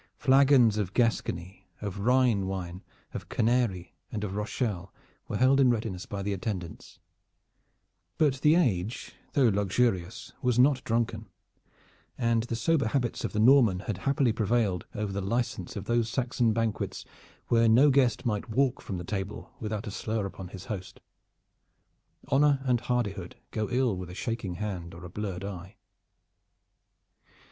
Flagons of Gascony, of Rhine wine, of Canary and of Rochelle were held in readiness by the attendants; but the age, though luxurious, was not drunken, and the sober habits of the Norman had happily prevailed over the license of those Saxon banquets where no guest might walk from the table without a slur upon his host. Honor and hardihood go ill with a shaking hand or a blurred eye.